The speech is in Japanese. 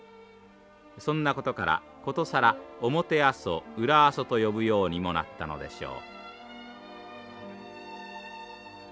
そんなことから殊更表阿蘇裏阿蘇と呼ぶようにもなったのでしょう。